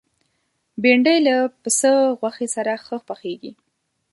بېنډۍ له پسه غوښې سره ښه پخېږي